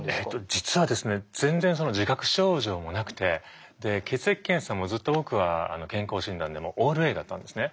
実はですね全然その自覚症状もなくてで血液検査もずっと僕は健康診断でもオールＡだったんですね。